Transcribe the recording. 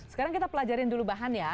sekarang kita pelajarin dulu bahan ya